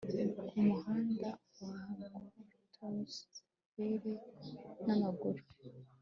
kumuhanda wa gordonsville, n'amaguru